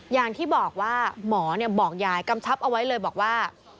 อย่างที่บอกว่าหมอบอกยายกำชับเอาไว้เลยบอกว่า